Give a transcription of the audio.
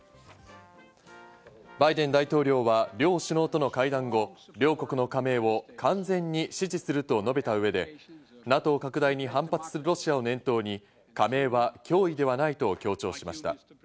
バイデン大統領は両首脳との会談後、両国の加盟を完全に支持すると述べた上で、ＮＡＴＯ拡大に反発するロシアを念頭に、加盟は脅威ではないと強調しました。